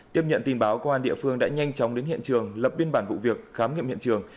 tiếp nhận tin báo công an địa phương đã nhanh chóng đến hiện trường lập biên bản vụ việc khám nghiệm hiện trường